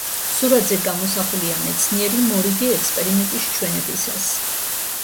სურათზე გამოსახულია მეცნიერი მორიგი ექსპერიმენტის ჩვენებისას.